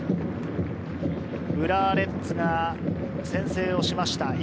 浦和レッズが先制をしました。